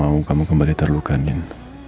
saya gak mau kamu kembali terluka nin